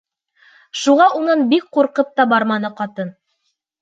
Шуға унан бик ҡурҡып та барманы ҡатын.